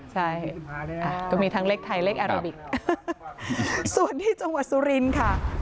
ใช่ก็มีทั้งเลขไทยเลขอาราบิกส่วนที่จังหวัดสุรินทร์ค่ะ